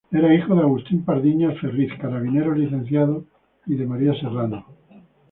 Era hijo de Agustín Pardiñas Ferriz, carabinero licenciado, y de María Serrano.